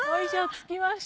着きました。